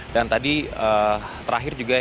dan tadi terakhir juga